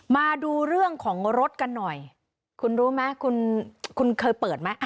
มาดูเรื่องของรถกันหน่อยคุณรู้ไหมคุณคุณเคยเปิดไหม